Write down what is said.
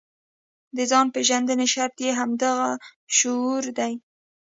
د ځان پېژندنې شرط یې همدغه شعور دی.